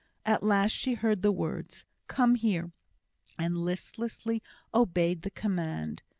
At last she heard the words, "Come here," and listlessly obeyed the command.